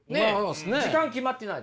時間決まってないだけで。